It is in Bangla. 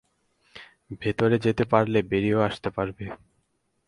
ভেতরে যেতে পারলে, বেরিয়েও আসতে পারবে।